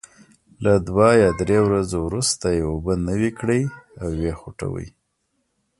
له دوه یا درې ورځو وروسته یې اوبه نوي کړئ او وې خوټوئ.